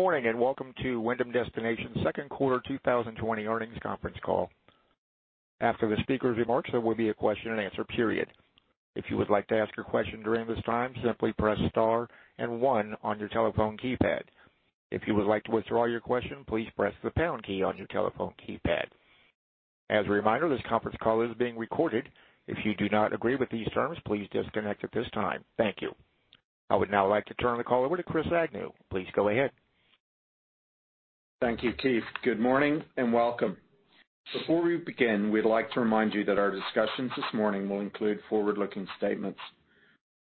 Good morning, and welcome to Wyndham Destinations' second quarter 2020 earnings conference call. After the speakers' remarks, there will be a question and answer period. If you would like to ask a question during this time, simply press star and one on your telephone keypad. If you would like to withdraw your question, please press the pound key on your telephone keypad. As a reminder, this conference call is being recorded. If you do not agree with these terms, please disconnect at this time. Thank you. I would now like to turn the call over to Chris Agnew. Please go ahead. Thank you, Keith. Good morning, and welcome. Before we begin, we'd like to remind you that our discussions this morning will include forward-looking statements.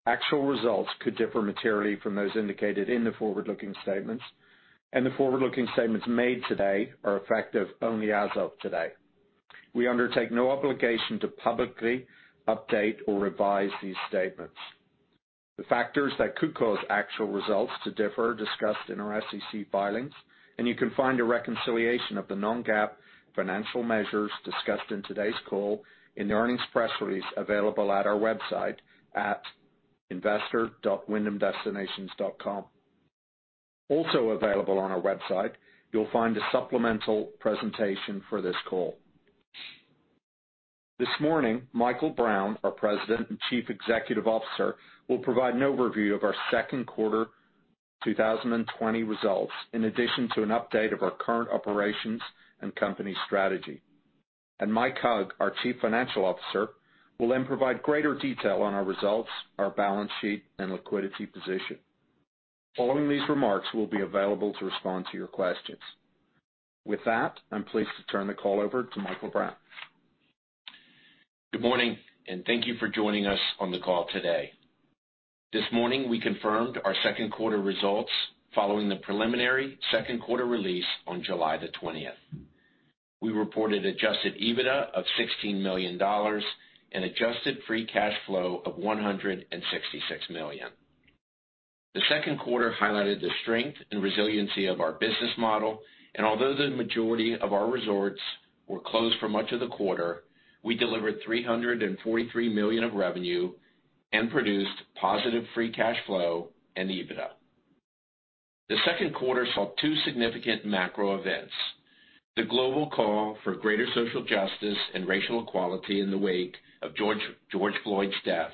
Actual results could differ materially from those indicated in the forward-looking statements. The forward-looking statements made today are effective only as of today. We undertake no obligation to publicly update or revise these statements. The factors that could cause actual results to differ are discussed in our SEC filings. You can find a reconciliation of the non-GAAP financial measures discussed in today's call in the earnings press release available at our website at investor.wyndhamdestinations.com. Also available on our website, you'll find a supplemental presentation for this call. This morning, Michael Brown, our President and Chief Executive Officer, will provide an overview of our second quarter 2020 results, in addition to an update of our current operations and company strategy. Mike Hug, our Chief Financial Officer, will then provide greater detail on our results, our balance sheet, and liquidity position. Following these remarks, we'll be available to respond to your questions. With that, I'm pleased to turn the call over to Michael Brown. Good morning, and thank you for joining us on the call today. This morning, we confirmed our second quarter results following the preliminary second quarter release on July the 20th. We reported adjusted EBITDA of $16 million and adjusted free cash flow of $166 million. The second quarter highlighted the strength and resiliency of our business model, and although the majority of our resorts were closed for much of the quarter, we delivered $343 million of revenue and produced positive free cash flow and EBITDA. The second quarter saw two significant macro events: the global call for greater social justice and racial equality in the wake of George Floyd's death,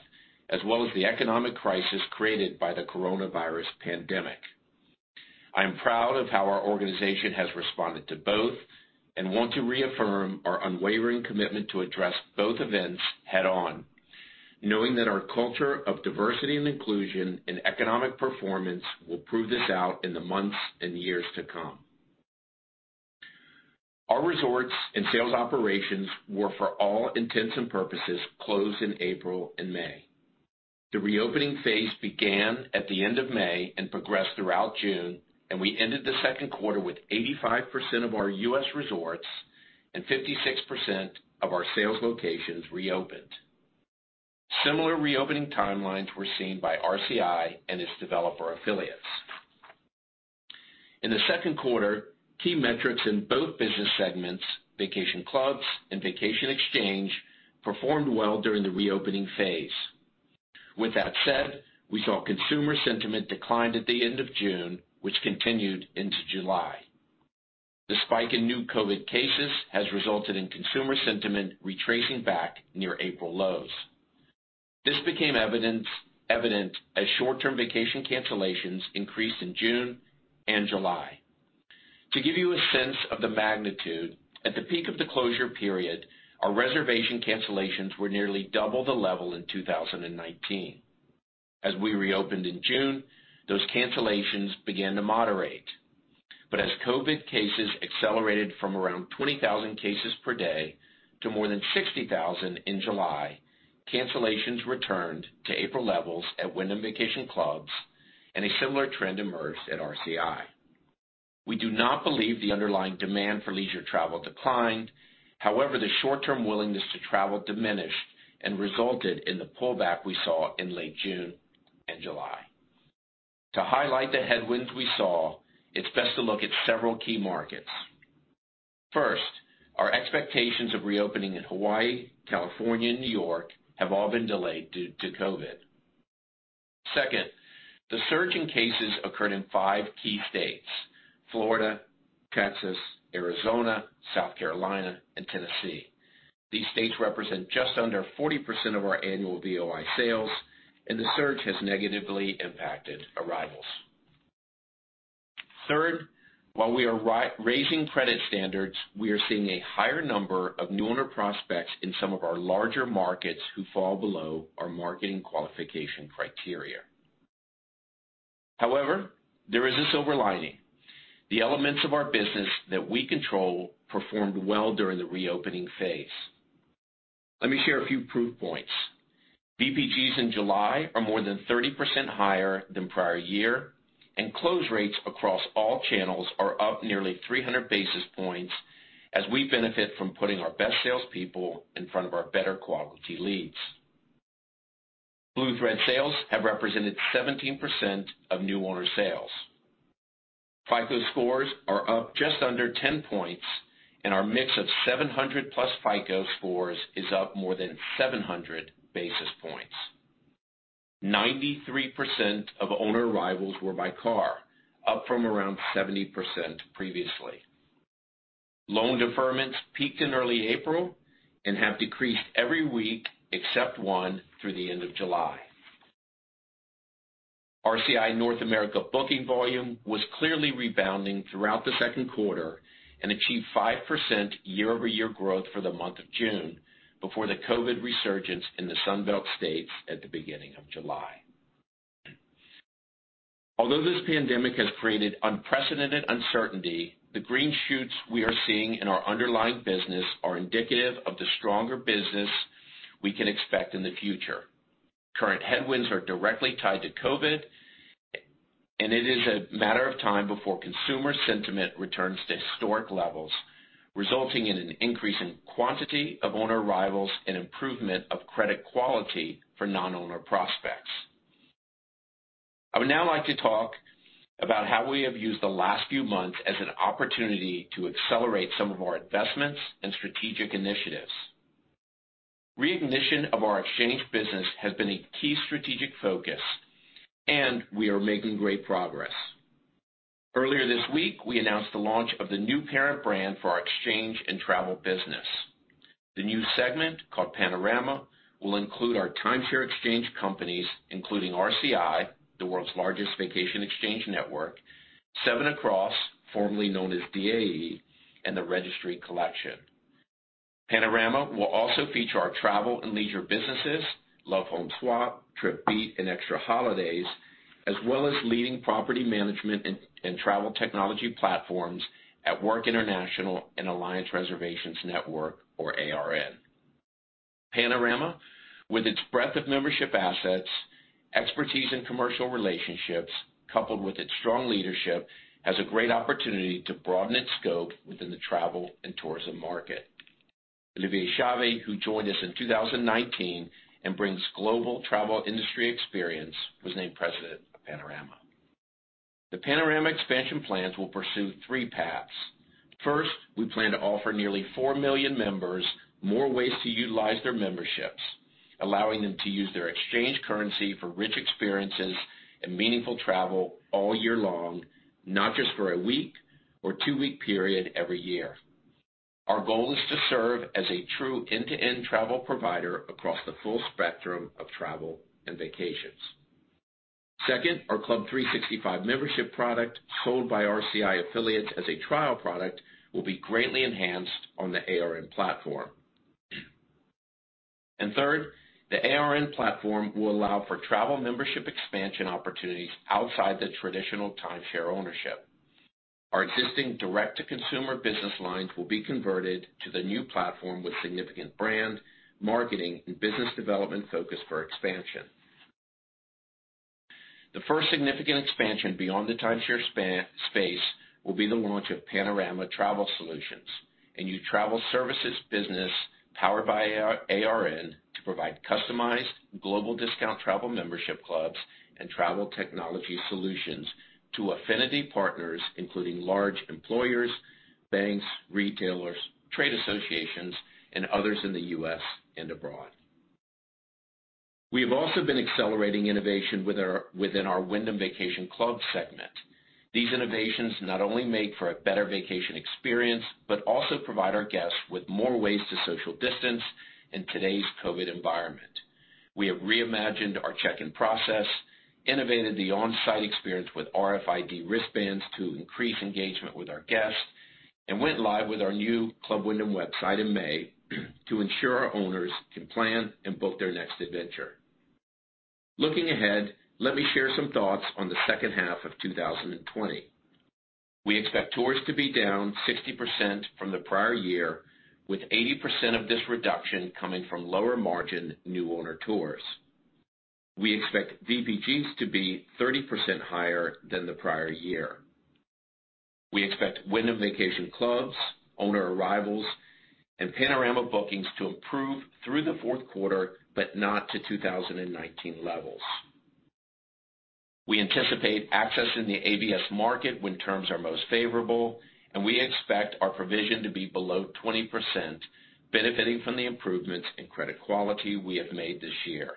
as well as the economic crisis created by the coronavirus pandemic. I am proud of how our organization has responded to both and want to reaffirm our unwavering commitment to address both events head-on, knowing that our culture of diversity and inclusion and economic performance will prove this out in the months and years to come. Our resorts and sales operations were, for all intents and purposes, closed in April and May. The reopening phase began at the end of May and progressed throughout June, and we ended the second quarter with 85% of our U.S. resorts and 56% of our sales locations reopened. Similar reopening timelines were seen by RCI and its developer affiliates. In the second quarter, key metrics in both business segments, vacation clubs and vacation exchange, performed well during the reopening phase. With that said, we saw consumer sentiment decline at the end of June, which continued into July. The spike in new COVID cases has resulted in consumer sentiment retracing back near April lows. This became evident as short-term vacation cancellations increased in June and July. To give you a sense of the magnitude, at the peak of the closure period, our reservation cancellations were nearly double the level in 2019. As we reopened in June, those cancellations began to moderate. As COVID cases accelerated from around 20,000 cases per day to more than 60,000 in July, cancellations returned to April levels at Wyndham Vacation Clubs, and a similar trend emerged at RCI. We do not believe the underlying demand for leisure travel declined. However, the short-term willingness to travel diminished and resulted in the pullback we saw in late June and July. To highlight the headwinds we saw, it's best to look at several key markets. First, our expectations of reopening in Hawaii, California, and New York have all been delayed due to COVID. Second, the surge in cases occurred in five key states, Florida, Texas, Arizona, South Carolina, and Tennessee. These states represent just under 40% of our annual VOI sales, and the surge has negatively impacted arrivals. Third, while we are raising credit standards, we are seeing a higher number of new owner prospects in some of our larger markets who fall below our marketing qualification criteria. However, there is a silver lining. The elements of our business that we control performed well during the reopening phase. Let me share a few proof points. VPGs in July are more than 30% higher than prior year, and close rates across all channels are up nearly 300 basis points as we benefit from putting our best salespeople in front of our better quality leads. Blue Thread sales have represented 17% of new owner sales. FICO scores are up just under 10 points, and our mix of 700+ FICO scores is up more than 700 basis points. 93% of owner arrivals were by car, up from around 70% previously. Loan deferments peaked in early April and have decreased every week except one through the end of July. RCI North America booking volume was clearly rebounding throughout the second quarter and achieved 5% year-over-year growth for the month of June before the COVID resurgence in the Sun Belt states at the beginning of July. Although this pandemic has created unprecedented uncertainty, the green shoots we are seeing in our underlying business are indicative of the stronger business we can expect in the future. Current headwinds are directly tied to COVID, and it is a matter of time before consumer sentiment returns to historic levels, resulting in an increase in quantity of owner arrivals and improvement of credit quality for non-owner prospects. I would now like to talk about how we have used the last few months as an opportunity to accelerate some of our investments and strategic initiatives. Reignition of our exchange business has been a key strategic focus, and we are making great progress. Earlier this week, we announced the launch of the new parent brand for our exchange and travel business. The new segment, called Panorama, will include our timeshare exchange companies, including RCI, the world's largest vacation exchange network, 7Across, formerly known as DAE, and The Registry Collection. Panorama will also feature our travel and leisure businesses, Love Home Swap, TripBeat, and Extra Holidays, as well as leading property management and travel technology platforms at @Work International and Alliance Reservations Network, or ARN. Panorama, with its breadth of membership assets, expertise in commercial relationships, coupled with its strong leadership, has a great opportunity to broaden its scope within the travel and tourism market. Olivier Chavy, who joined us in 2019 and brings global travel industry experience, was named President of Panorama. The Panorama expansion plans will pursue three paths. First, we plan to offer nearly four million members more ways to utilize their memberships, allowing them to use their exchange currency for rich experiences and meaningful travel all year long, not just for a week or two-week period every year. Our goal is to serve as a true end-to-end travel provider across the full spectrum of travel and vacations. Second, our Club 365 membership product, sold by RCI affiliates as a trial product, will be greatly enhanced on the ARN platform. Third, the ARN platform will allow for travel membership expansion opportunities outside the traditional timeshare ownership. Our existing direct-to-consumer business lines will be converted to the new platform with significant brand, marketing, and business development focus for expansion. The first significant expansion beyond the timeshare space will be the launch of Panorama Travel Solutions, a new travel services business powered by ARN to provide customized global discount travel membership clubs and travel technology solutions to affinity partners, including large employers, banks, retailers, trade associations, and others in the U.S. and abroad. We have also been accelerating innovation within our Wyndham Vacation Club segment. These innovations not only make for a better vacation experience but also provide our guests with more ways to social distance in today's COVID environment. We have reimagined our check-in process, innovated the on-site experience with RFID wristbands to increase engagement with our guests, and went live with our new Club Wyndham website in May to ensure our owners can plan and book their next adventure. Looking ahead, let me share some thoughts on the second half of 2020. We expect tours to be down 60% from the prior year, with 80% of this reduction coming from lower margin new owner tours. We expect VPGs to be 30% higher than the prior year. We expect Wyndham Vacation Clubs owner arrivals and Panorama bookings to improve through the fourth quarter, but not to 2019 levels. We anticipate accessing the ABS market when terms are most favorable, we expect our provision to be below 20%, benefiting from the improvements in credit quality we have made this year.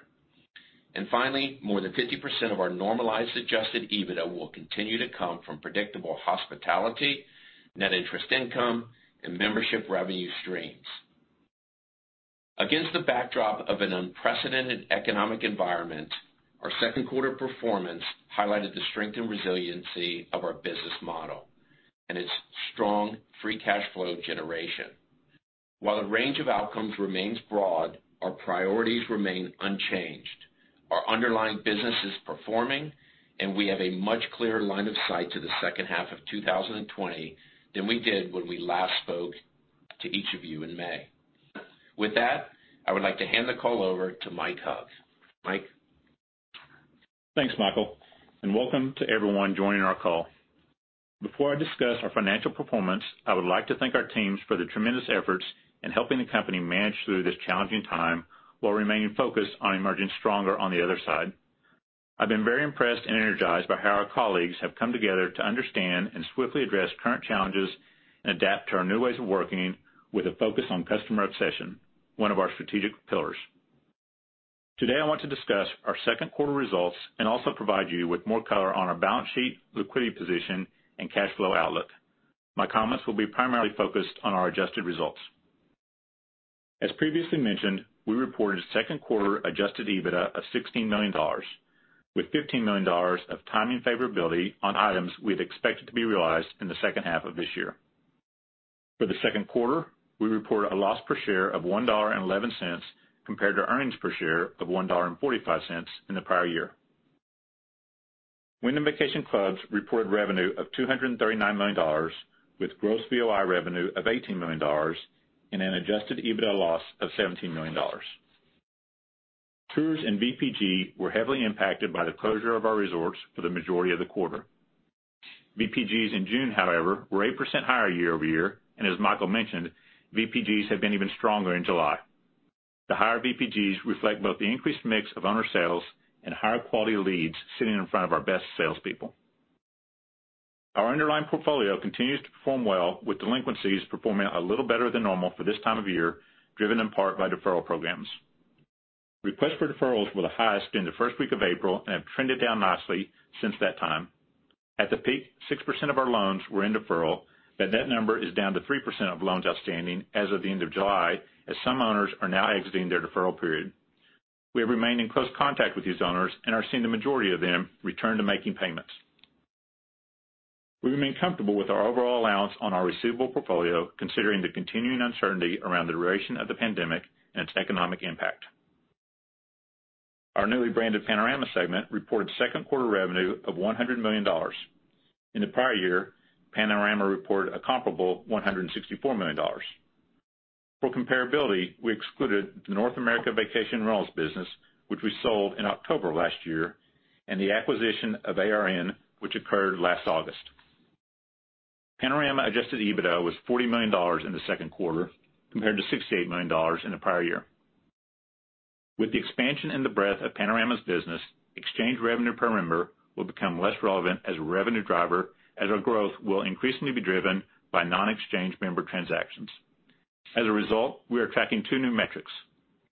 Finally, more than 50% of our normalized adjusted EBITDA will continue to come from predictable hospitality, net interest income, and membership revenue streams. Against the backdrop of an unprecedented economic environment, our second quarter performance highlighted the strength and resiliency of our business model and its strong free cash flow generation. While the range of outcomes remains broad, our priorities remain unchanged. Our underlying business is performing, and we have a much clearer line of sight to the second half of 2020 than we did when we last spoke to each of you in May. With that, I would like to hand the call over to Mike Hug. Mike? Thanks, Michael, and welcome to everyone joining our call. Before I discuss our financial performance, I would like to thank our teams for the tremendous efforts in helping the company manage through this challenging time while remaining focused on emerging stronger on the other side. I've been very impressed and energized by how our colleagues have come together to understand and swiftly address current challenges and adapt to our new ways of working with a focus on Customer Obsession, one of our strategic pillars. Today, I want to discuss our second quarter results and also provide you with more color on our balance sheet, liquidity position, and cash flow outlook. My comments will be primarily focused on our adjusted results. As previously mentioned, we reported second quarter adjusted EBITDA of $16 million, with $15 million of timing favorability on items we'd expected to be realized in the second half of this year. For the second quarter, we report a loss per share of $1.11 compared to earnings per share of $1.45 in the prior year. Wyndham Vacation Clubs reported revenue of $239 million with gross VOI revenue of $18 million and an adjusted EBITDA loss of $17 million. Tours and VPG were heavily impacted by the closure of our resorts for the majority of the quarter. VPGs in June, however, were 8% higher year-over-year, and as Michael mentioned, VPGs have been even stronger in July. The higher VPGs reflect both the increased mix of owner sales and higher quality leads sitting in front of our best salespeople. Our underlying portfolio continues to perform well with delinquencies performing a little better than normal for this time of year, driven in part by deferral programs. Requests for deferrals were the highest in the first week of April and have trended down nicely since that time. At the peak, 6% of our loans were in deferral. That number is down to 3% of loans outstanding as of the end of July, as some owners are now exiting their deferral period. We have remained in close contact with these owners and are seeing the majority of them return to making payments. We remain comfortable with our overall allowance on our receivable portfolio, considering the continuing uncertainty around the duration of the pandemic and its economic impact. Our newly branded Panorama segment reported second quarter revenue of $100 million. In the prior year, Panorama reported a comparable $164 million. For comparability, we excluded the North American Vacation Rentals business, which we sold in October last year, and the acquisition of ARN, which occurred last August. Panorama adjusted EBITDA was $40 million in the second quarter compared to $68 million in the prior year. With the expansion and the breadth of Panorama's business, exchange revenue per member will become less relevant as a revenue driver, as our growth will increasingly be driven by non-exchange member transactions. As a result, we are tracking two new metrics: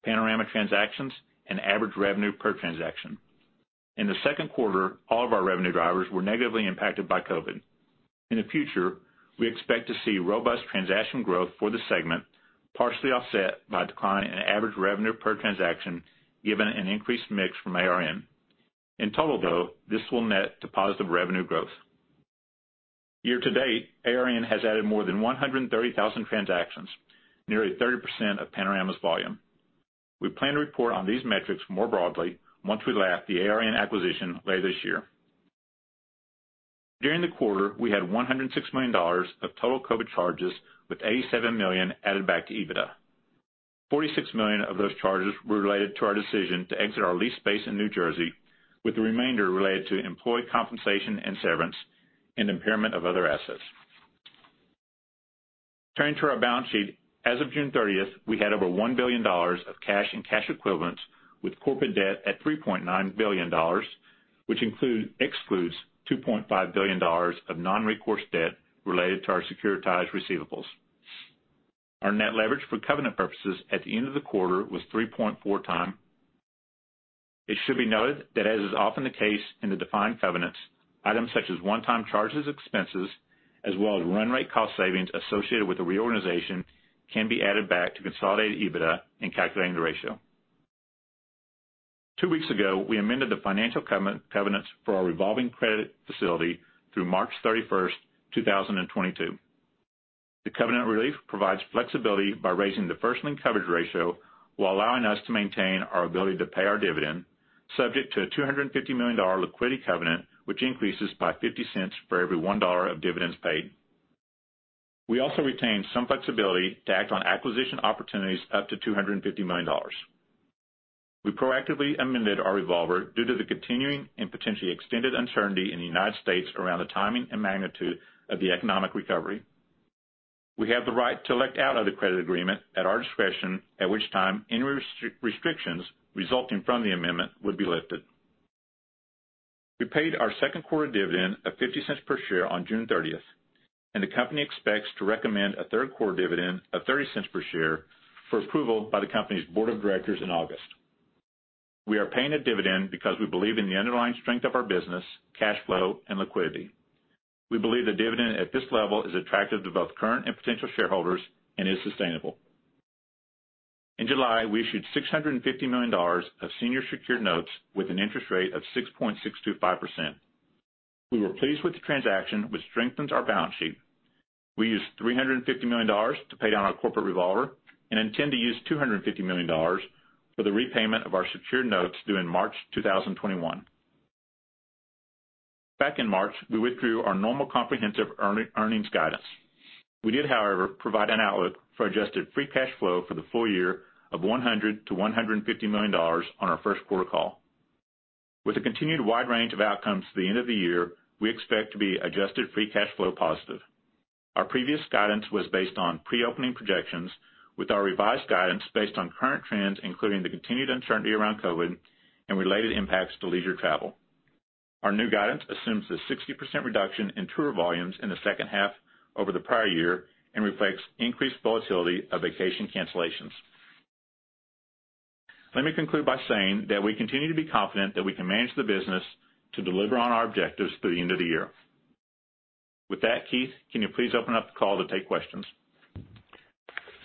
Panorama transactions and average revenue per transaction. In the second quarter, all of our revenue drivers were negatively impacted by COVID. In the future, we expect to see robust transaction growth for the segment, partially offset by a decline in average revenue per transaction, given an increased mix from ARN. In total, though, this will net to positive revenue growth. Year-to-date, ARN has added more than 130,000 transactions, nearly 30% of Panorama's volume. We plan to report on these metrics more broadly once we lap the ARN acquisition later this year. During the quarter, we had $106 million of total COVID charges, with $87 million added back to EBITDA. 46 million of those charges were related to our decision to exit our lease space in New Jersey, with the remainder related to employee compensation and severance and impairment of other assets. Turning to our balance sheet, as of June 30th, we had over $1 billion of cash and cash equivalents with corporate debt at $3.9 billion, which excludes $2.5 billion of non-recourse debt related to our securitized receivables. Our net leverage for covenant purposes at the end of the quarter was 3.4x. It should be noted that as is often the case in the defined covenants, items such as one-time charges, expenses, as well as run rate cost savings associated with the reorganization can be added back to consolidated EBITDA in calculating the ratio. Two weeks ago, we amended the financial covenants for our revolving credit facility through March 31st, 2022. The covenant relief provides flexibility by raising the first lien coverage ratio while allowing us to maintain our ability to pay our dividend, subject to a $250 million liquidity covenant, which increases by $0.50 for every $1 of dividends paid. We also retained some flexibility to act on acquisition opportunities up to $250 million. We proactively amended our revolver due to the continuing and potentially extended uncertainty in the United States around the timing and magnitude of the economic recovery. We have the right to elect out of the credit agreement at our discretion, at which time any restrictions resulting from the amendment would be lifted. We paid our second quarter dividend of $0.50 per share on June 30th, and the company expects to recommend a third quarter dividend of $0.30 per share for approval by the company's board of directors in August. We are paying a dividend because we believe in the underlying strength of our business, cash flow, and liquidity. We believe the dividend at this level is attractive to both current and potential shareholders and is sustainable. In July, we issued $650 million of senior secured notes with an interest rate of 6.625%. We were pleased with the transaction, which strengthens our balance sheet. We used $350 million to pay down our corporate revolver and intend to use $250 million for the repayment of our secured notes due in March 2021. Back in March, we withdrew our normal comprehensive earnings guidance. We did, however, provide an outlook for adjusted free cash flow for the full year of $100 million to $150 million on our first quarter call. With the continued wide range of outcomes to the end of the year, we expect to be adjusted free cash flow positive Our previous guidance was based on pre-opening projections with our revised guidance based on current trends, including the continued uncertainty around COVID and related impacts to leisure travel. Our new guidance assumes the 60% reduction in tour volumes in the second half over the prior year and reflects increased volatility of vacation cancellations. Let me conclude by saying that we continue to be confident that we can manage the business to deliver on our objectives through the end of the year. With that, Keith, can you please open up the call to take questions?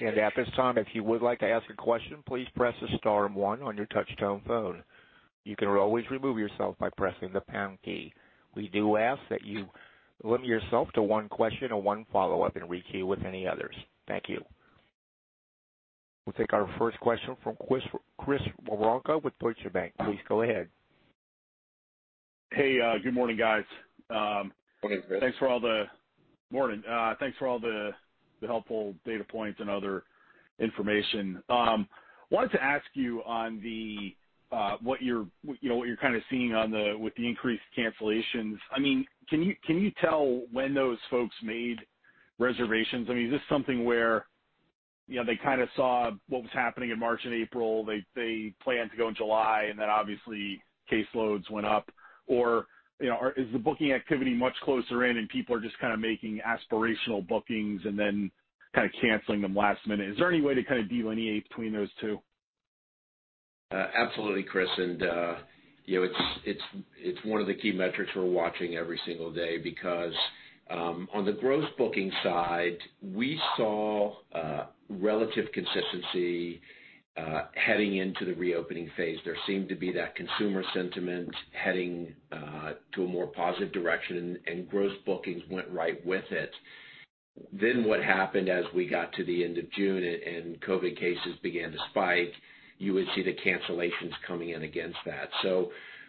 At this time, if you would like to ask a question, please press star one on your touch-tone phone. You can always remove yourself by pressing the pound key. We do ask that you limit yourself to 1 question and 1 follow-up and re-queue with any others. Thank you. We'll take our first question from Chris Woronka with Deutsche Bank. Please go ahead. Hey, good morning, guys. Morning, Chris. Morning. Thanks for all the helpful data points and other information. Wanted to ask you on what you're kind of seeing with the increased cancellations. Can you tell when those folks made reservations? Is this something where they kind of saw what was happening in March and April, they planned to go in July, and then obviously caseloads went up? Is the booking activity much closer in and people are just kind of making aspirational bookings and then kind of canceling them last minute? Is there any way to kind of delineate between those two? Absolutely, Chris. It's one of the key metrics we're watching every single day because, on the gross booking side, we saw relative consistency heading into the reopening phase. There seemed to be that consumer sentiment heading to a more positive direction, and gross bookings went right with it. What happened as we got to the end of June and COVID cases began to spike, you would see the cancellations coming in against that.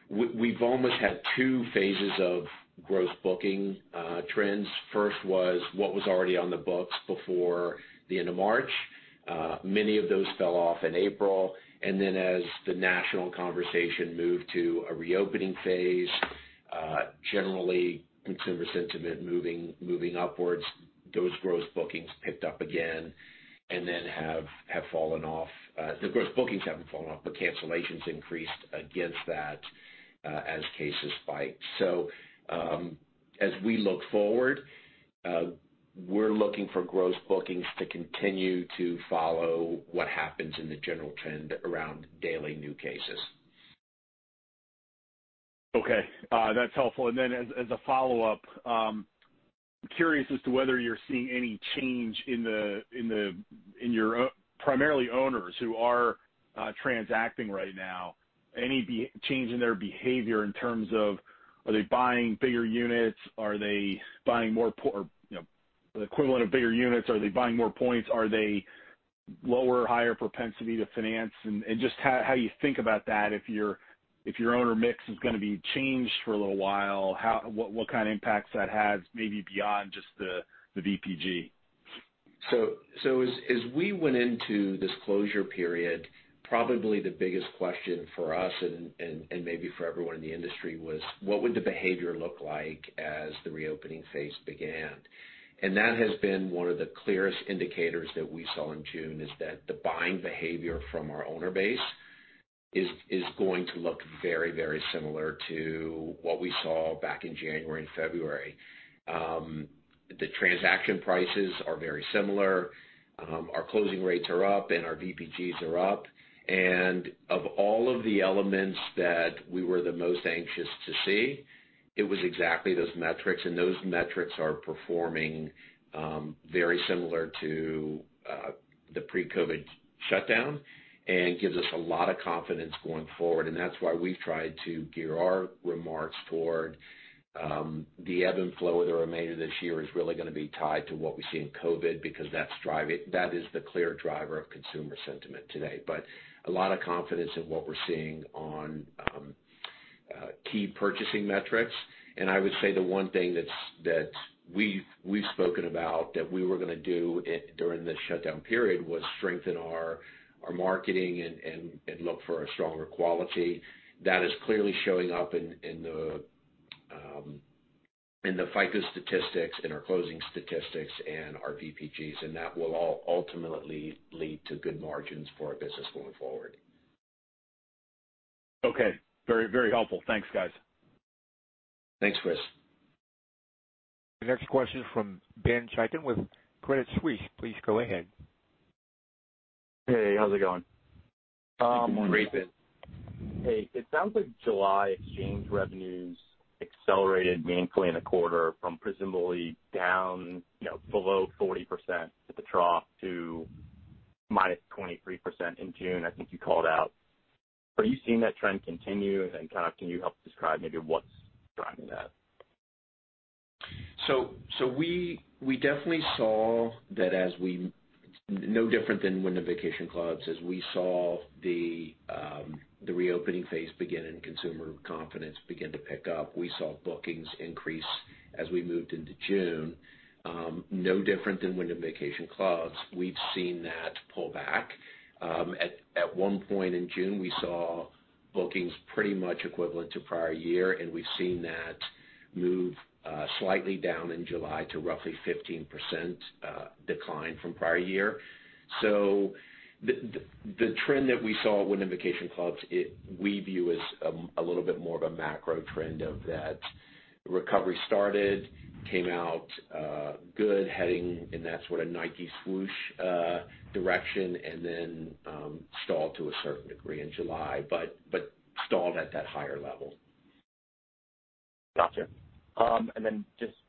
We've almost had two phases of gross booking trends. First was what was already on the books before the end of March. Many of those fell off in April, and then as the national conversation moved to a reopening phase, generally consumer sentiment moving upwards, those gross bookings picked up again. The gross bookings haven't fallen off, but cancellations increased against that as cases spiked. As we look forward, we're looking for gross bookings to continue to follow what happens in the general trend around daily new cases. Okay. That's helpful. As a follow-up, I'm curious as to whether you're seeing any change in your primarily owners who are transacting right now. Any change in their behavior in terms of are they buying bigger units? Are they buying the equivalent of bigger units? Are they buying more points? Are they lower or higher propensity to finance? Just how you think about that if your owner mix is going to be changed for a little while, what kind of impacts that has maybe beyond just the VPG. As we went into this closure period, probably the biggest question for us and maybe for everyone in the industry was what would the behavior look like as the reopening phase began? That has been one of the clearest indicators that we saw in June, is that the buying behavior from our owner base is going to look very similar to what we saw back in January and February. The transaction prices are very similar. Our closing rates are up, and our VPGs are up. Of all of the elements that we were the most anxious to see, it was exactly those metrics, and those metrics are performing very similar to the pre-COVID shutdown and gives us a lot of confidence going forward. That's why we've tried to gear our remarks toward the ebb and flow of the remainder of this year is really going to be tied to what we see in COVID, because that is the clear driver of consumer sentiment today. A lot of confidence in what we're seeing on key purchasing metrics. I would say the one thing that we've spoken about that we were going to do during this shutdown period was strengthen our marketing and look for a stronger quality. That is clearly showing up in the FICO statistics and our closing statistics and our VPGs, and that will all ultimately lead to good margins for our business going forward. Okay. Very helpful. Thanks, guys. Thanks, Chris. The next question is from Ben Chaiken with Credit Suisse. Please go ahead. Hey, how's it going? Morning. Great, Ben. Hey. It sounds like July exchange revenues accelerated meaningfully in the quarter from presumably down below 40% at the trough to -23% in June, I think you called out. Are you seeing that trend continue? Then can you help describe maybe what's driving that? We definitely saw that, no different than Wyndham Vacation Clubs, as we saw the reopening phase begin and consumer confidence begin to pick up. We saw bookings increase as we moved into June. No different than Wyndham Vacation Clubs, we've seen that pull back. At one point in June, we saw Bookings pretty much equivalent to prior year, we've seen that move slightly down in July to roughly 15% decline from prior year. The trend that we saw at Wyndham Vacation Clubs, we view as a little bit more of a macro trend of that recovery started, came out good, heading in that sort of Nike Swoosh direction, then stalled to a certain degree in July, stalled at that higher level. Got you.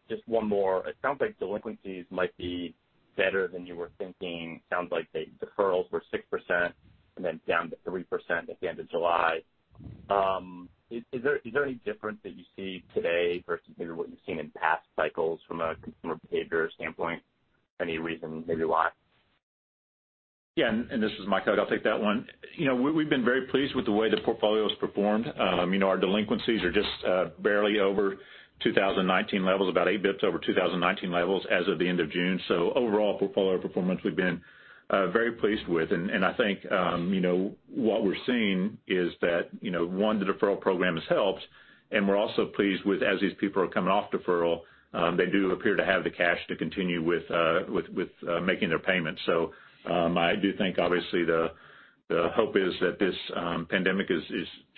Just one more. It sounds like delinquencies might be better than you were thinking. Sounds like the deferrals were 6% down to 3% at the end of July. Is there any difference that you see today versus maybe what you've seen in past cycles from a consumer behavior standpoint? Any reason maybe why? This is Mike Hug, I'll take that one. We've been very pleased with the way the portfolio's performed. Our delinquencies are just barely over 2019 levels, about eight basis points over 2019 levels as of the end of June. Overall portfolio performance we've been very pleased with. I think what we're seeing is that, one, the deferral program has helped, and we're also pleased with, as these people are coming off deferral, they do appear to have the cash to continue with making their payments. I do think obviously the hope is that this pandemic is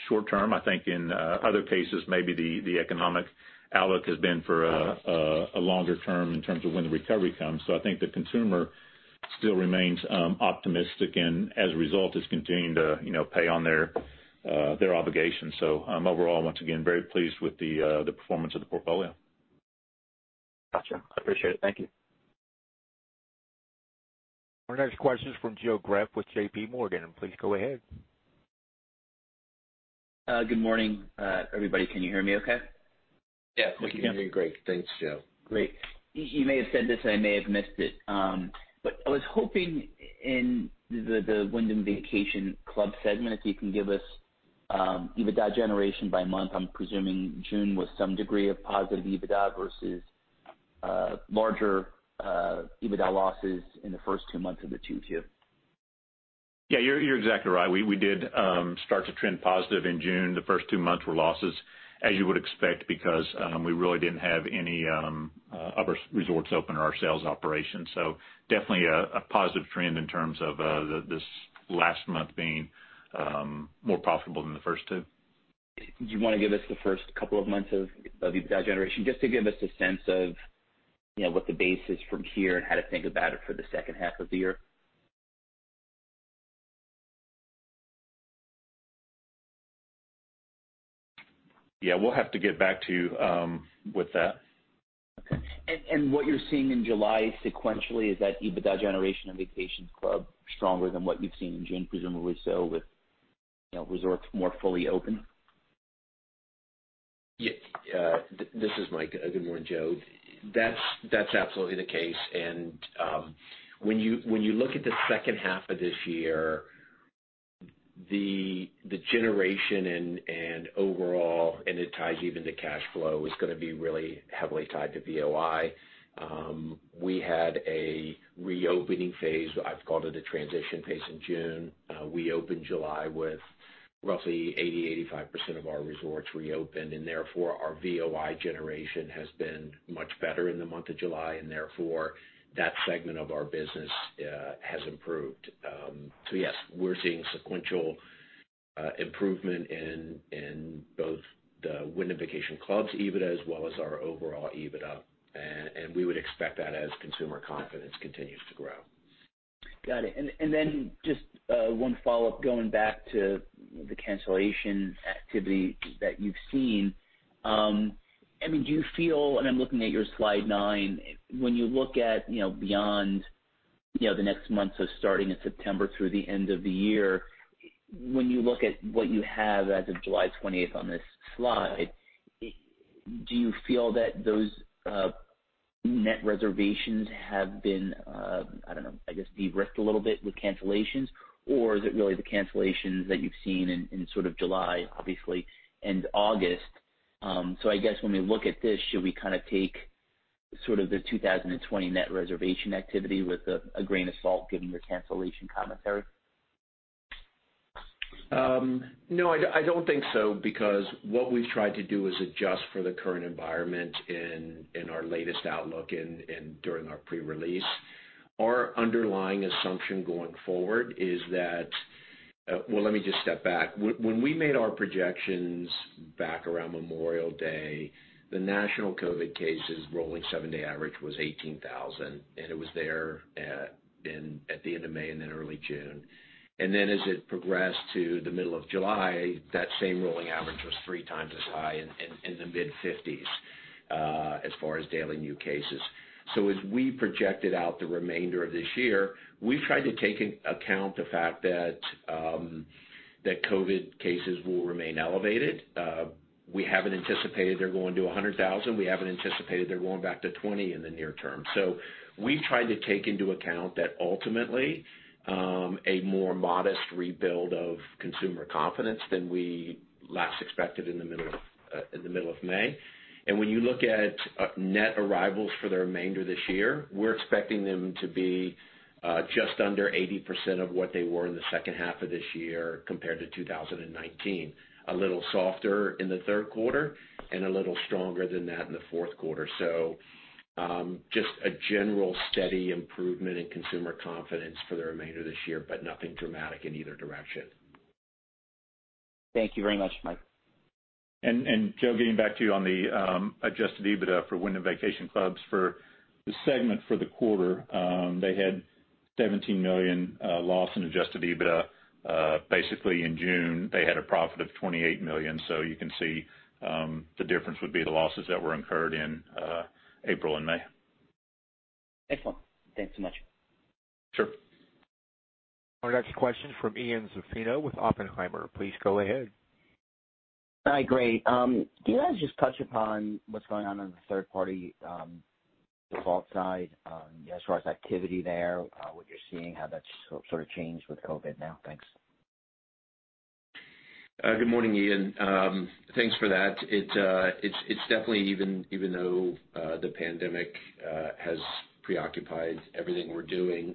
short term. I think in other cases, maybe the economic outlook has been for a longer term in terms of when the recovery comes. I think the consumer still remains optimistic and as a result is continuing to pay on their obligations. Overall, once again, very pleased with the performance of the portfolio. Got you. I appreciate it. Thank you. Our next question is from Joe Greff with JPMorgan. Please go ahead. Good morning, everybody. Can you hear me okay? Yes, we can hear you great. Thanks, Joe. Great. You may have said this, and I may have missed it. I was hoping in the Wyndham Vacation Clubs segment, if you can give us EBITDA generation by month. I'm presuming June was some degree of positive EBITDA versus larger EBITDA losses in the first two months of the 2Q. Yeah, you're exactly right. We did start to trend positive in June. The first two months were losses, as you would expect, because we really didn't have any of our resorts open or our sales operations. Definitely a positive trend in terms of this last month being more profitable than the first two. Do you want to give us the first couple of months of EBITDA generation, just to give us a sense of what the base is from here and how to think about it for the second half of the year? Yeah, we'll have to get back to you with that. Okay. What you're seeing in July sequentially, is that EBITDA generation and Vacation Club stronger than what you've seen in June, presumably so with resorts more fully open? This is Michael. Good morning, Joe. That's absolutely the case. When you look at the second half of this year, the generation and overall, and it ties even to cash flow, is going to be really heavily tied to VOI. We had a reopening phase, I've called it a transition phase, in June. We opened July with roughly 80%-85% of our resorts reopened, and therefore our VOI generation has been much better in the month of July, and therefore, that segment of our business has improved. Yes, we're seeing sequential improvement in both the Wyndham Vacation Clubs' EBITDA as well as our overall EBITDA. We would expect that as consumer confidence continues to grow. Got it. Then just one follow-up, going back to the cancellation activity that you've seen. Do you feel, and I'm looking at your slide nine, when you look at beyond the next month, so starting in September through the end of the year, when you look at what you have as of July 28th on this slide, do you feel that those net reservations have been, I don't know, I guess de-risked a little bit with cancellations? Is it really the cancellations that you've seen in July, obviously, and August? I guess when we look at this, should we take the 2020 net reservation activity with a grain of salt given your cancellation commentary? No, I don't think so, because what we've tried to do is adjust for the current environment in our latest outlook and during our pre-release. Our underlying assumption going forward. Well, let me just step back. When we made our projections back around Memorial Day, the national COVID cases rolling seven-day average was 18,000, and it was there at the end of May and then early June. As it progressed to the middle of July, that same rolling average was three times as high in the mid-50s as far as daily new cases. As we projected out the remainder of this year, we've tried to take into account the fact that COVID cases will remain elevated. We haven't anticipated they're going to 100,000. We haven't anticipated they're going back to 20 in the near term. We've tried to take into account that ultimately, a more modest rebuild of consumer confidence than we last expected in the middle of May. When you look at net arrivals for the remainder of this year, we're expecting them to be just under 80% of what they were in the second half of this year compared to 2019. A little softer in the third quarter, and a little stronger than that in the fourth quarter. Just a general steady improvement in consumer confidence for the remainder of this year, but nothing dramatic in either direction. Thank you very much, Michael. Joe, getting back to you on the adjusted EBITDA for Wyndham Vacation Clubs for the segment for the quarter, they had a $17 million loss in adjusted EBITDA. Basically in June, they had a profit of $28 million. You can see the difference would be the losses that were incurred in April and May. Excellent. Thanks so much. Sure. Our next question from Ian Zaffino with Oppenheimer. Please go ahead. Hi. Great. Can you guys just touch upon what's going on in the third party default side, as far as activity there, what you're seeing, how that's sort of changed with COVID now? Thanks. Good morning, Ian. Thanks for that. Even though the pandemic has preoccupied everything we're doing,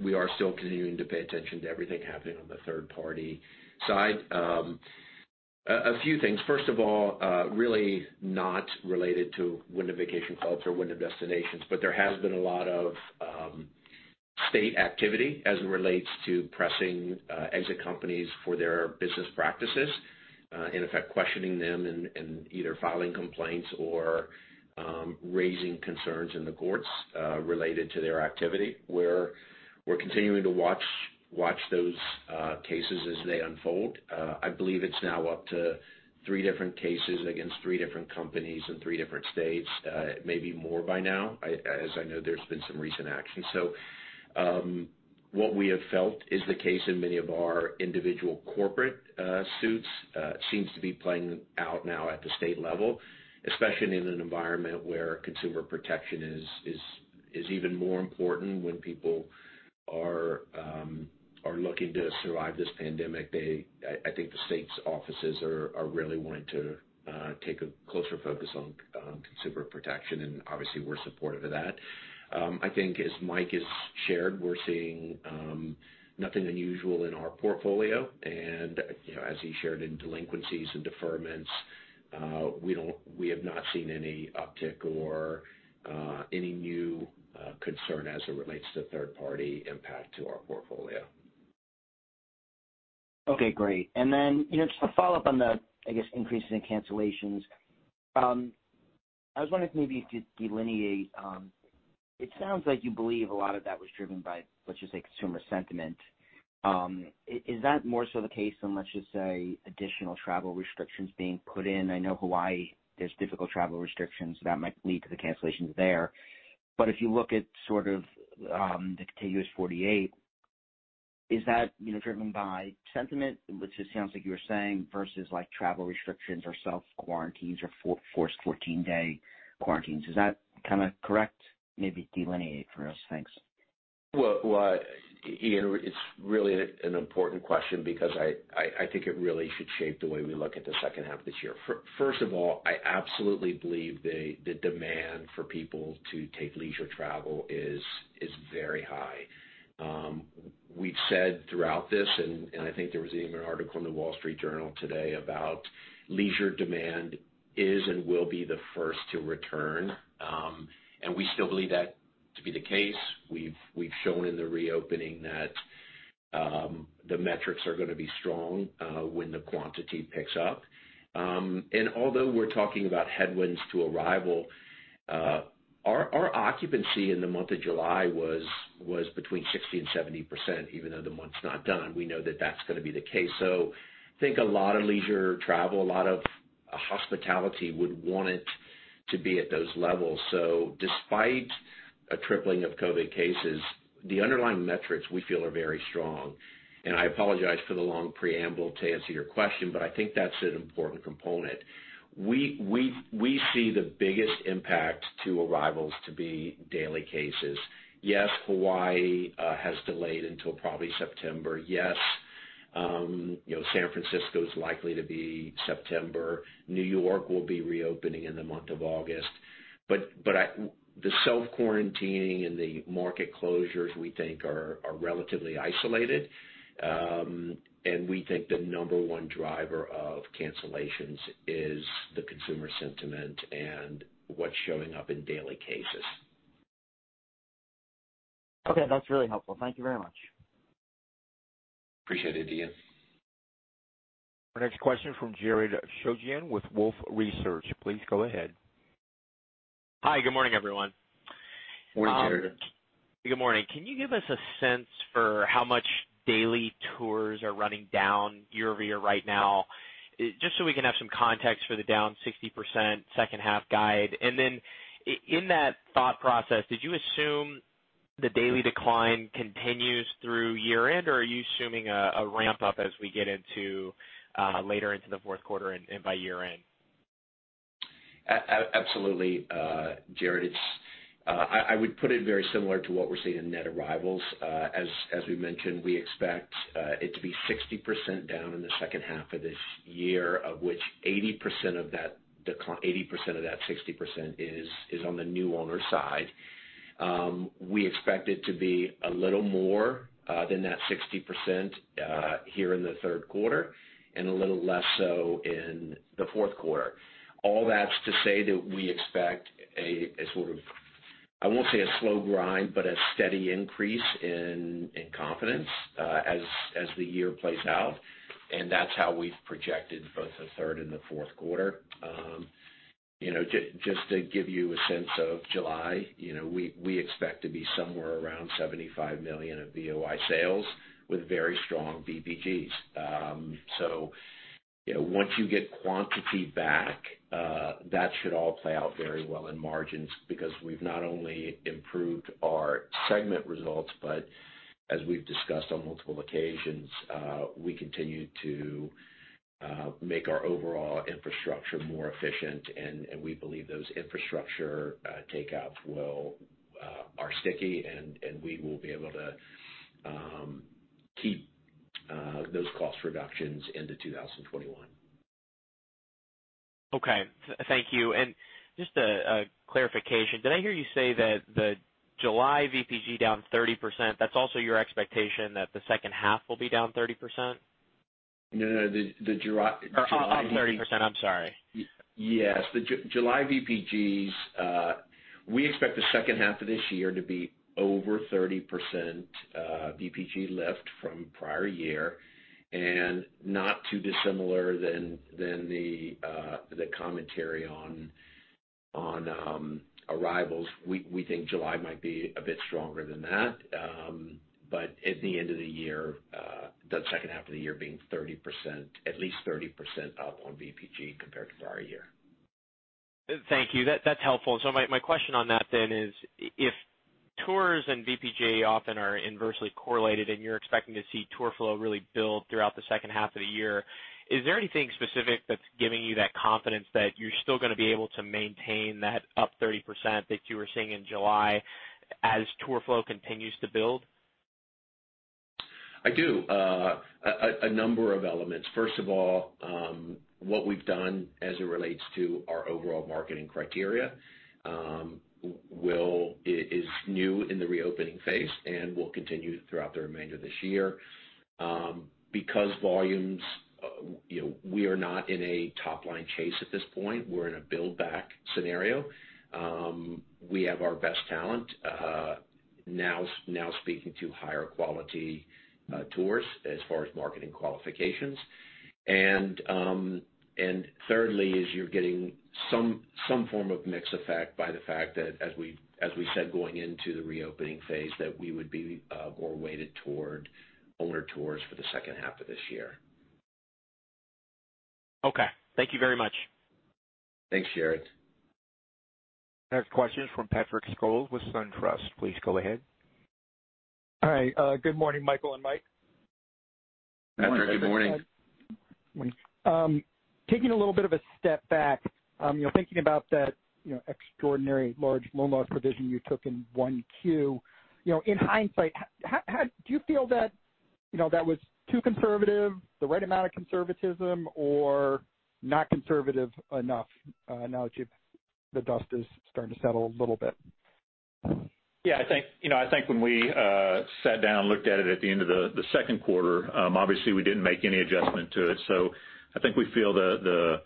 we are still continuing to pay attention to everything happening on the third party side. A few things. First of all, really not related to Wyndham Vacation Clubs or Wyndham Destinations, but there has been a lot of state activity as it relates to pressing exit companies for their business practices. In effect, questioning them and either filing complaints or raising concerns in the courts related to their activity, where we're continuing to watch those cases as they unfold. I believe it's now up to three different cases against three different companies in three different states. It may be more by now, as I know there's been some recent action. What we have felt is the case in many of our individual corporate suits seems to be playing out now at the state level, especially in an environment where consumer protection is even more important when people are looking to survive this pandemic. I think the states' offices are really wanting to take a closer focus on consumer protection, and obviously we're supportive of that. I think as Mike has shared, we're seeing nothing unusual in our portfolio. As he shared in delinquencies and deferments, we have not seen any uptick or any new concern as it relates to third party impact to our portfolio. Okay, great. Just to follow up on the, I guess, increases in cancellations, I was wondering if maybe you could delineate. It sounds like you believe a lot of that was driven by, let's just say, consumer sentiment. Is that more so the case than, let's just say, additional travel restrictions being put in? I know Hawaii, there's difficult travel restrictions that might lead to the cancellations there. If you look at sort of the contiguous 48, is that driven by sentiment, which it sounds like you were saying, versus travel restrictions or self-quarantines or forced 14 day quarantines? Is that kind of correct? Maybe delineate for us. Thanks. Ian, it's really an important question because I think it really should shape the way we look at the second half of this year. First of all, I absolutely believe the demand for people to take leisure travel is very high. We've said throughout this, and I think there was even an article in The Wall Street Journal today about leisure demand is and will be the first to return, and we still believe that to be the case. We've shown in the reopening that the metrics are going to be strong when the quantity picks up. Although we're talking about headwinds to arrival, our occupancy in the month of July was between 60% and 70%, even though the month's not done. We know that that's going to be the case. I think a lot of leisure travel, a lot of hospitality would want it to be at those levels. Despite a tripling of COVID cases, the underlying metrics we feel are very strong. I apologize for the long preamble to answer your question, but I think that's an important component. We see the biggest impact to arrivals to be daily cases. Yes, Hawaii has delayed until probably September. Yes, San Francisco is likely to be September. New York will be reopening in the month of August. The self-quarantining and the market closures we think are relatively isolated. We think the number one driver of cancellations is the consumer sentiment and what's showing up in daily cases. Okay. That's really helpful. Thank you very much. Appreciate it, Ian. Our next question from Jared Shojaian with Wolfe Research. Please go ahead. Hi, good morning, everyone. Morning, Jared. Good morning. Can you give us a sense for how much daily tours are running down year-over-year right now, just so we can have some context for the down 60% second half guide? In that thought process, did you assume the daily decline continues through year end, or are you assuming a ramp up as we get later into the fourth quarter and by year end? Absolutely, Jared. I would put it very similar to what we're seeing in net arrivals. As we mentioned, we expect it to be 60% down in the second half of this year, of which 80% of that 60% is on the new owner side. We expect it to be a little more than that 60% here in the third quarter and a little less so in the fourth quarter. All that's to say that we expect a sort of, I won't say a slow grind, but a steady increase in confidence as the year plays out. That's how we've projected both the third and the fourth quarter. Just to give you a sense of July, we expect to be somewhere around $75 million of VOI sales with very strong VPGs. Once you get quantity back, that should all play out very well in margins because we've not only improved our segment results, but as we've discussed on multiple occasions, we continue to make our overall infrastructure more efficient, and we believe those infrastructure takeouts are sticky, and we will be able to keep those cost reductions into 2021. Okay. Thank you. Just a clarification, did I hear you say that the July VPG down 30%, that's also your expectation that the second half will be down 30%? No. The July- Up 30%, I'm sorry. Yes. The July VPGs, we expect the second half of this year to be over 30% VPG lift from prior year, and not too dissimilar than the commentary on arrivals. We think July might be a bit stronger than that. At the end of the year, the second half of the year being at least 30% up on VPG compared to prior year. Thank you. That is helpful. My question on that then is, if tours and VPG often are inversely correlated, and you are expecting to see tour flow really build throughout the second half of the year, is there anything specific that is giving you that confidence that you are still going to be able to maintain that up 30% that you were seeing in July as tour flow continues to build? I do. A number of elements. First of all, what we've done as it relates to our overall marketing criteria is new in the reopening phase and will continue throughout the remainder of this year. Because volumes, we are not in a top-line chase at this point. We're in a build-back scenario. We have our best talent now speaking to higher quality tours as far as marketing qualifications. Thirdly is you're getting some form of mix effect by the fact that, as we said going into the reopening phase, that we would be more weighted toward owner tours for the second half of this year. Okay. Thank you very much. Thanks, Jared. Next question is from Patrick Scholes with SunTrust. Please go ahead. Hi. Good morning, Michael and Mike. Patrick, good morning. Morning. Taking a little bit of a step back, thinking about that extraordinary large loan loss provision you took in 1Q. In hindsight, do you feel that was too conservative, the right amount of conservatism, or not conservative enough now that the dust is starting to settle a little bit? Yeah. I think when we sat down and looked at it at the end of the second quarter, obviously we didn't make any adjustment to it. I think we feel the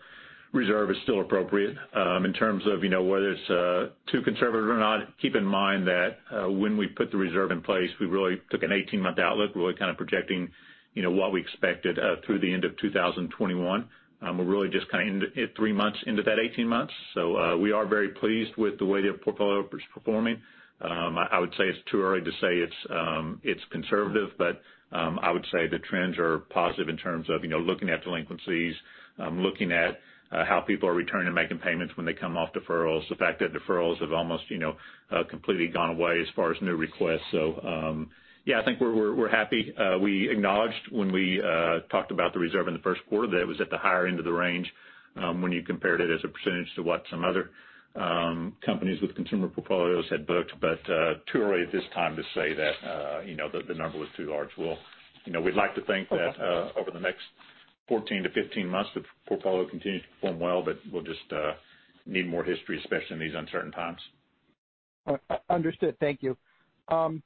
reserve is still appropriate. In terms of whether it's too conservative or not, keep in mind that when we put the reserve in place, we really took an 18-month outlook. We're really kind of projecting what we expected through the end of 2021. We're really just three months into that 18 months. We are very pleased with the way the portfolio is performing. I would say it's too early to say it's conservative, but I would say the trends are positive in terms of looking at delinquencies, looking at how people are returning and making payments when they come off deferrals, the fact that deferrals have almost completely gone away as far as new requests. Yeah, I think we're happy. We acknowledged when we talked about the reserve in the first quarter that it was at the higher end of the range when you compared it as a percentage to what some other companies with consumer portfolios had booked. Too early at this time to say that the number was too large. We'd like to think that over the next 14-15 months, the portfolio continues to perform well, but we'll just need more history, especially in these uncertain times. Understood. Thank you. My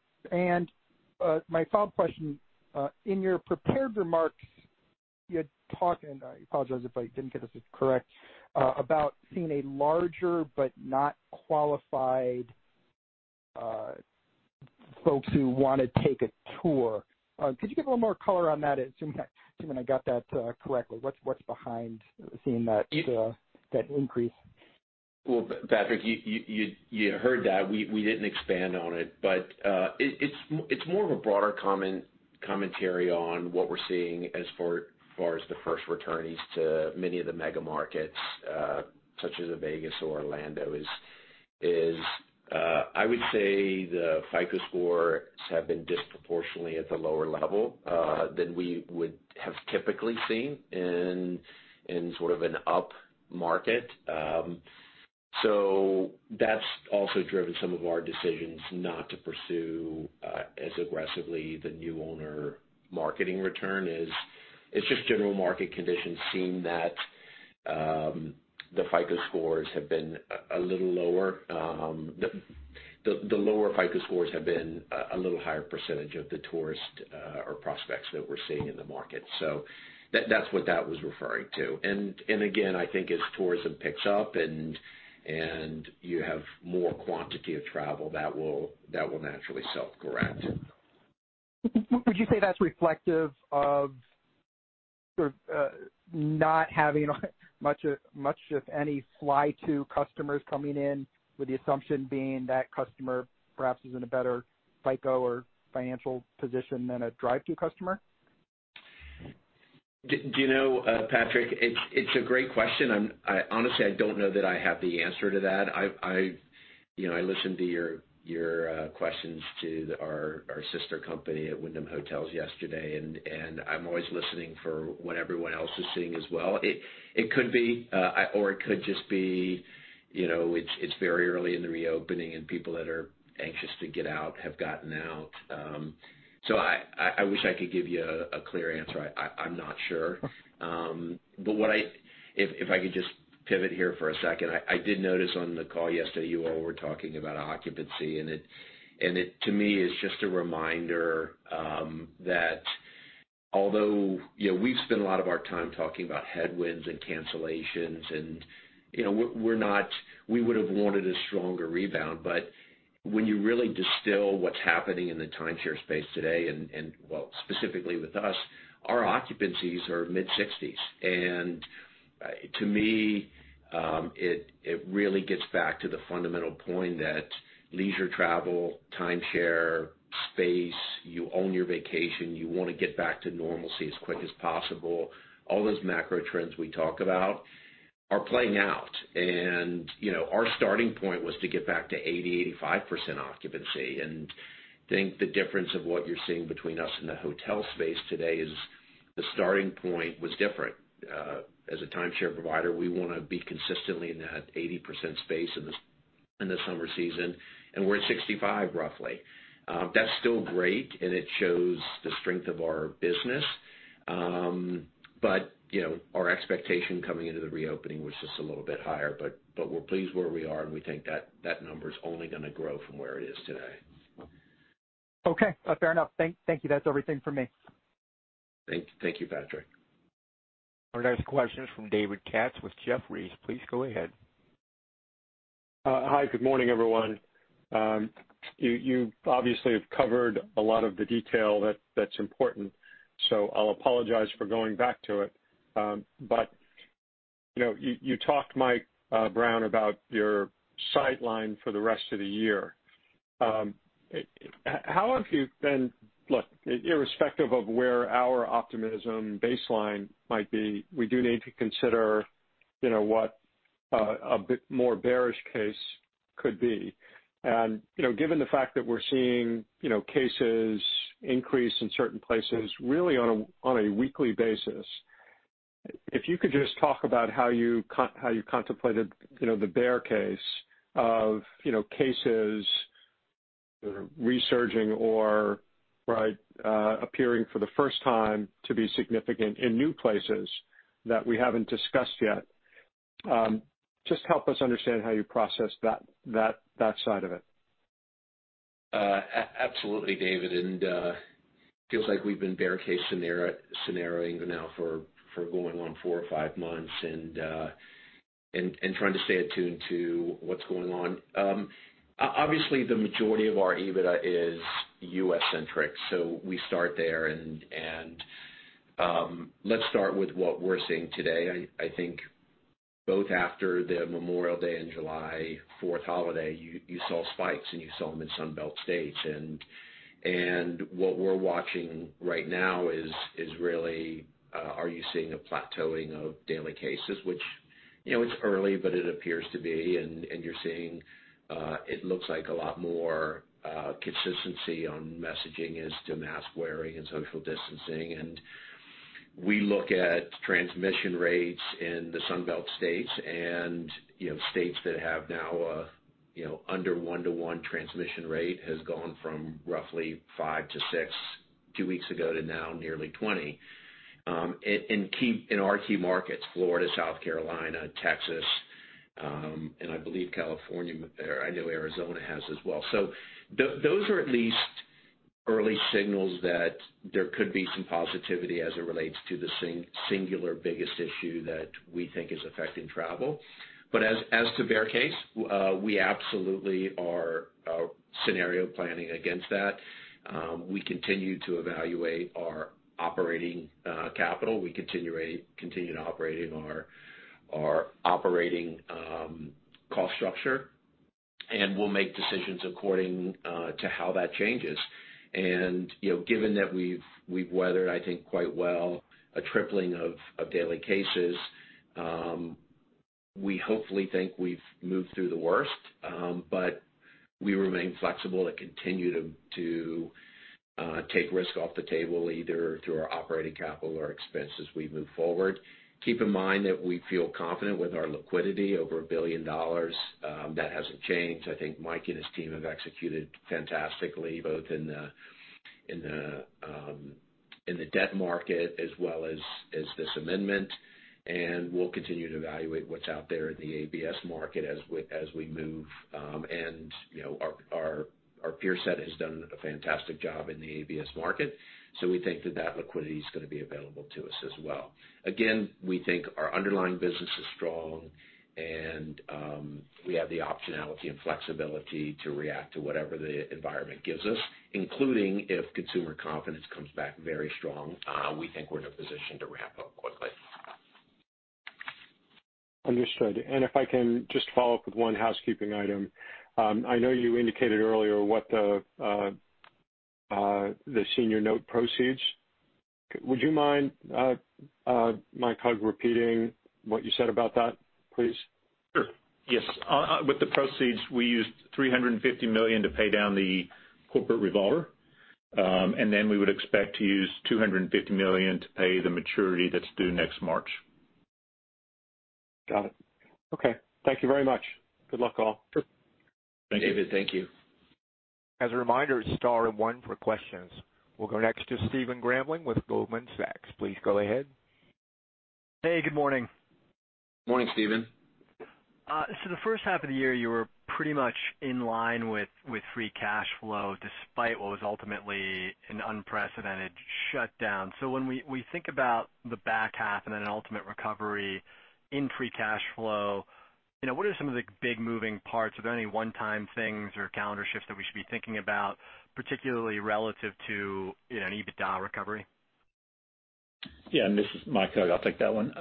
follow-up question. In your prepared remarks, you had talked, and I apologize if I didn't get this correct, about seeing a larger but not qualified folks who want to take a tour. Could you give a little more color on that, assuming I got that correctly? What's behind seeing that increase? Well, Patrick, you heard that. We didn't expand on it. It's more of a broader commentary on what we're seeing as far as the first returnees to many of the mega markets such as a Vegas or Orlando, I would say the FICO scores have been disproportionately at the lower level than we would have typically seen in sort of an upmarket. That's also driven some of our decisions not to pursue as aggressively the new owner marketing return. It's just general market conditions seem that the FICO scores have been a little lower. The lower FICO scores have been a little higher percentage of the tourist or prospects that we're seeing in the market. That's what that was referring to. Again, I think as tourism picks up and you have more quantity of travel, that will naturally self-correct. Would you say that's reflective of not having much of any fly-to customers coming in with the assumption being that customer perhaps is in a better FICO or financial position than a drive-through customer? Do you know, Patrick, it's a great question. Honestly, I don't know that I have the answer to that. I listened to your questions to our sister company at Wyndham Hotels yesterday, and I'm always listening for what everyone else is seeing as well. It could be, or it could just be it's very early in the reopening and people that are anxious to get out have gotten out. I wish I could give you a clear answer. I'm not sure. If I could just pivot here for a second, I did notice on the call yesterday, you all were talking about occupancy, and it to me is just a reminder that although we've spent a lot of our time talking about headwinds and cancellations, and we would have wanted a stronger rebound. When you really distill what's happening in the timeshare space today and, well, specifically with us, our occupancies are mid-60s. To me, it really gets back to the fundamental point that leisure travel, timeshare, space, you own your vacation, you want to get back to normalcy as quick as possible. All those macro trends we talk about are playing out. Our starting point was to get back to 80%-85% occupancy. Think the difference of what you're seeing between us and the hotel space today is the starting point was different. As a timeshare provider, we want to be consistently in that 80% space in the summer season, and we're at 65%, roughly. That's still great, and it shows the strength of our business. Our expectation coming into the reopening was just a little bit higher, but we're pleased where we are, and we think that number is only going to grow from where it is today. Okay. Fair enough. Thank you. That's everything for me. Thank you, Patrick. Our next question is from David Katz with Jefferies. Please go ahead. Hi. Good morning, everyone. You obviously have covered a lot of the detail that's important, so I'll apologize for going back to it. You talked, Michael Brown, about your sightline for the rest of the year. Look, irrespective of where our optimism baseline might be, we do need to consider what a bit more bearish case could be. Given the fact that we're seeing cases increase in certain places really on a weekly basis, if you could just talk about how you contemplated the bear case of cases resurging or appearing for the first time to be significant in new places that we haven't discussed yet. Just help us understand how you process that side of it. Absolutely, David. It feels like we've been bear case scenarioing now for going on four or five months and trying to stay attuned to what's going on. Obviously, the majority of our EBITDA is U.S.-centric, so we start there and let's start with what we're seeing today. I think both after the Memorial Day and July 4th holiday, you saw spikes, and you saw them in Sun Belt states. What we're watching right now is really, are you seeing a plateauing of daily cases? It's early, but it appears to be. You're seeing it looks like a lot more consistency on messaging as to mask wearing and social distancing. We look at transmission rates in the Sun Belt states and states that have now under one to one transmission rate has gone from roughly five to six, two weeks ago, to now nearly 20 in our key markets, Florida, South Carolina, Texas, and I believe California. I know Arizona has as well. Those are at least early signals that there could be some positivity as it relates to the singular biggest issue that we think is affecting travel. As to bear case, we absolutely are scenario planning against that. We continue to evaluate our operating capital. We continue to operate our operating cost structure, and we'll make decisions according to how that changes. Given that we've weathered, I think quite well, a tripling of daily cases, we hopefully think we've moved through the worst. We remain flexible to continue to take risk off the table, either through our operating capital or expense as we move forward. Keep in mind that we feel confident with our liquidity over $1 billion. That hasn't changed. I think Mike and his team have executed fantastically, both in the debt market as well as this amendment, and we'll continue to evaluate what's out there in the ABS market as we move. Our peer set has done a fantastic job in the ABS market. We think that that liquidity is going to be available to us as well. Again, we think our underlying business is strong, and we have the optionality and flexibility to react to whatever the environment gives us, including if consumer confidence comes back very strong. We think we're in a position to ramp up quickly. Understood. If I can just follow up with one housekeeping item. I know you indicated earlier what the senior note proceeds. Would you mind, Mike Hug, repeating what you said about that, please? Sure. Yes. With the proceeds, we used $350 million to pay down the corporate revolver, and then we would expect to use $250 million to pay the maturity that's due next March. Got it. Okay. Thank you very much. Good luck all. Sure. David, thank you. As a reminder, star and one for questions. We'll go next to Stephen Grambling with Goldman Sachs. Please go ahead. Hey, good morning. Morning, Stephen. The first half of the year, you were pretty much in line with free cash flow, despite what was ultimately an unprecedented shutdown. When we think about the back half and then an ultimate recovery in free cash flow, what are some of the big moving parts? Are there any one-time things or calendar shifts that we should be thinking about, particularly relative to an EBITDA recovery? Yeah, this is Mike Hug, I'll take that one.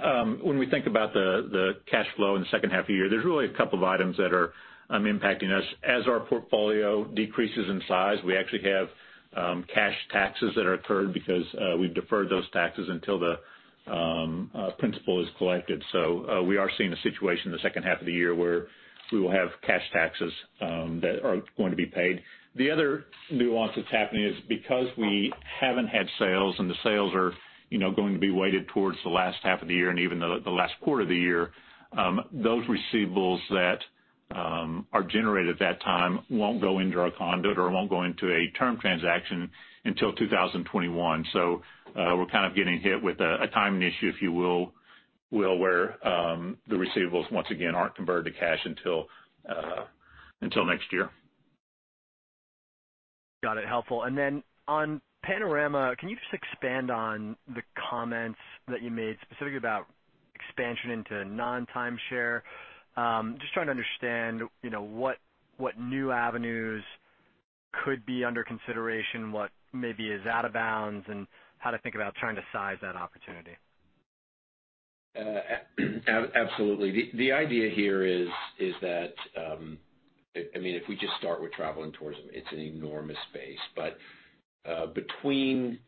When we think about the cash flow in the second half of the year, there's really a couple of items that are impacting us. As our portfolio decreases in size, we actually have cash taxes that are accrued because we've deferred those taxes until the principal is collected. We are seeing a situation in the second half of the year where we will have cash taxes that are going to be paid. The other nuance that's happening is because we haven't had sales and the sales are going to be weighted towards the last half of the year and even the last quarter of the year, those receivables that are generated at that time won't go into our conduit or won't go into a term transaction until 2021. We're kind of getting hit with a timing issue, if you will, where the receivables once again aren't converted to cash until next year. Got it. Helpful. On Panorama, can you just expand on the comments that you made specifically about expansion into non-timeshare? Just trying to understand what new avenues could be under consideration, what maybe is out of bounds, and how to think about trying to size that opportunity. Absolutely. The idea here is that if we just start with travel and tourism, it's an enormous space. Between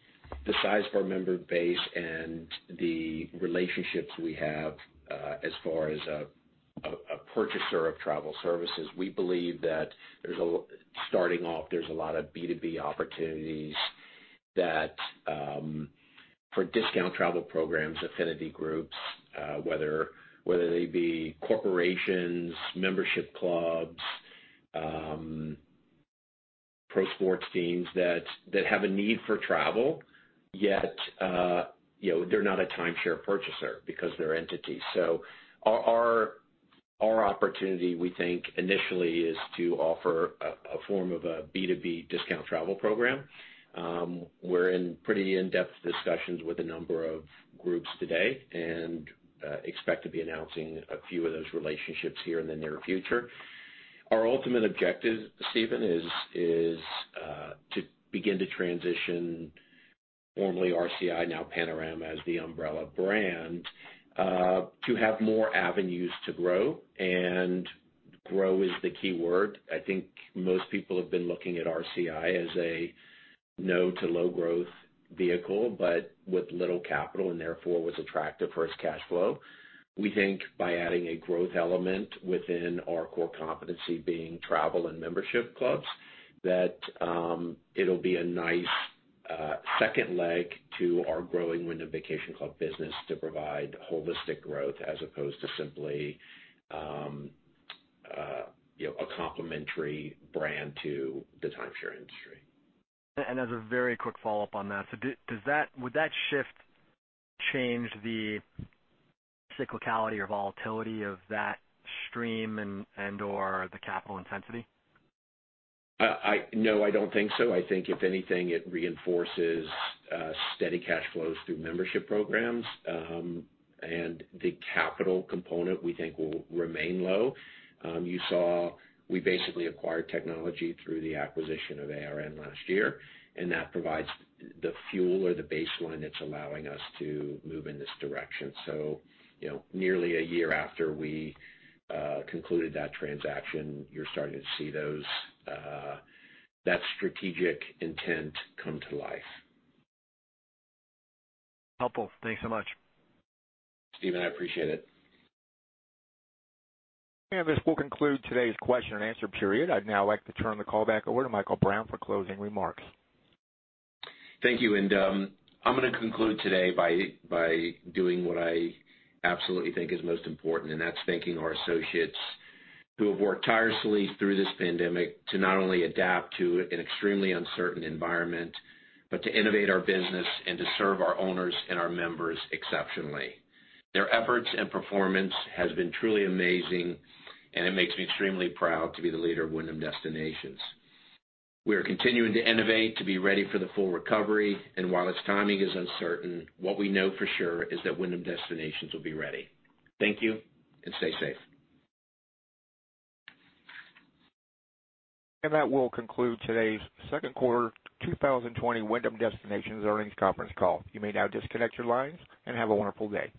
the size of our member base and the relationships we have as far as a purchaser of travel services, we believe that starting off, there's a lot of B2B opportunities that for discount travel programs, affinity groups whether they be corporations, membership clubs, pro sports teams that have a need for travel, yet they're not a timeshare purchaser because they're entities. Our opportunity we think initially is to offer a form of a B2B discount travel program. We're in pretty in-depth discussions with a number of groups today and expect to be announcing a few of those relationships here in the near future. Our ultimate objective, Stephen, is to begin to transition formerly RCI, now Panorama, as the umbrella brand to have more avenues to grow, and grow is the key word. I think most people have been looking at RCI as a no to low growth vehicle, but with little capital and therefore was attractive for its cash flow. We think by adding a growth element within our core competency being travel and membership clubs, that it will be a nice second leg to our growing Wyndham Vacation Clubs business to provide holistic growth as opposed to simply a complementary brand to the timeshare industry. As a very quick follow-up on that. Would that shift change the cyclicality or volatility of that stream and/or the capital intensity? No, I don't think so. I think if anything it reinforces steady cash flows through membership programs, and the capital component we think will remain low. You saw we basically acquired technology through the acquisition of ARN last year. That provides the fuel or the baseline that's allowing us to move in this direction. Nearly a year after we concluded that transaction, you're starting to see that strategic intent come to life. Helpful. Thanks so much. Stephen, I appreciate it. This will conclude today's question and answer period. I'd now like to turn the call back over to Michael Brown for closing remarks. Thank you. I'm going to conclude today by doing what I absolutely think is most important, and that's thanking our associates who have worked tirelessly through this pandemic to not only adapt to an extremely uncertain environment, but to innovate our business and to serve our owners and our members exceptionally. Their efforts and performance has been truly amazing. It makes me extremely proud to be the leader of Wyndham Destinations. We are continuing to innovate to be ready for the full recovery, while its timing is uncertain, what we know for sure is that Wyndham Destinations will be ready. Thank you. Stay safe. That will conclude today's second quarter 2020 Wyndham Destinations Earnings Conference Call. You may now disconnect your lines, and have a wonderful day.